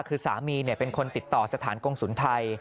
คือสามีเป็นคนติดต่อสถานกงศูนย์ไทย